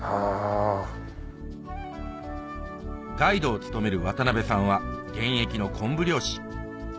ガイドを務める渡部さんは現役の昆布漁師